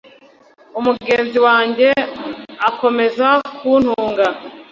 Umugenzi wanjye akomeza kuntunga